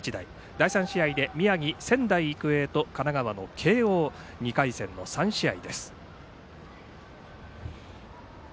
第３試合で宮城・仙台育英と神奈川の慶応、２回戦の３試合。